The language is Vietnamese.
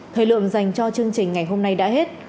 thời lượng dành cho chương trình ngày hôm nay đã hết